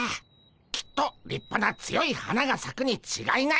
きっとりっぱな強い花がさくにちがいないでゴンス。